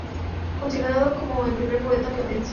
Considerado como el "primer poeta platense".